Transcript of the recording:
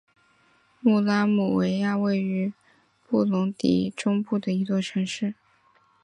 穆拉姆维亚位于布隆迪中部的一座城市。